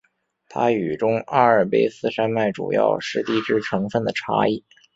它与中阿尔卑斯山脉主要是地质成分的差异。